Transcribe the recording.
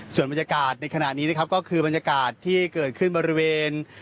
ส่วนบรรยากาศในขณะนี้นะครับก็คือบรรยากาศที่เกิดขึ้นบริเวณ